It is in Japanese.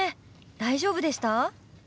大丈夫でした？